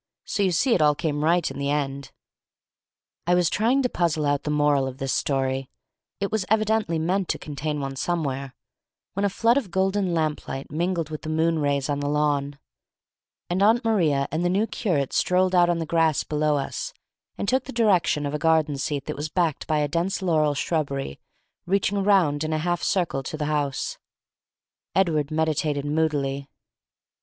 So you see it all came right in the end!" I was trying to puzzle out the moral of this story it was evidently meant to contain one somewhere when a flood of golden lamplight mingled with the moon rays on the lawn, and Aunt Maria and the new curate strolled out on the grass below us, and took the direction of a garden seat that was backed by a dense laurel shrubbery reaching round in a half circle to the house. Edward mediated moodily.